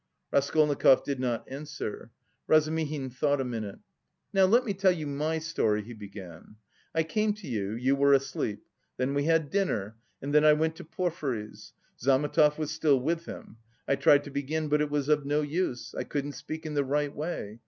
Raskolnikov did not answer. Razumihin thought a minute. "Now let me tell you my story," he began, "I came to you, you were asleep. Then we had dinner and then I went to Porfiry's, Zametov was still with him. I tried to begin, but it was no use. I couldn't speak in the right way.